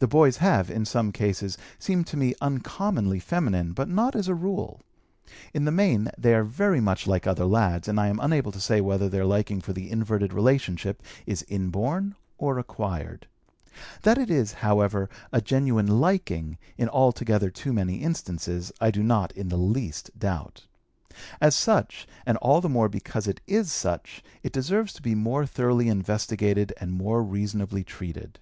The boys have, in some cases, seemed to me uncommonly feminine, but not as a rule. In the main, they are very much like other lads, and I am unable to say whether their liking for the inverted relationship is inborn or acquired. That it is, however, a genuine liking, in altogether too many instances, I do not, in the least, doubt. As such, and all the more because it is such, it deserves to be more thoroughly investigated and more reasonably treated.